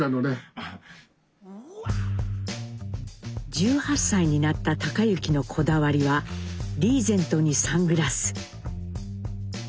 １８歳になった隆之のこだわりはリーゼントにサングラス。